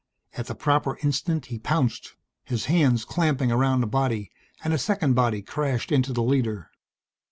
At the proper instant he pounced, his hands clamping around a body, and a second body crashed into the leader.